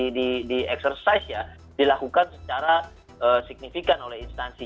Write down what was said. ini di exercise ya dilakukan secara signifikan oleh instansi